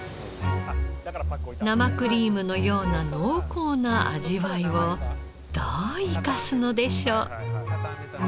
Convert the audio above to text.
生クリームのような濃厚な味わいをどう生かすのでしょう？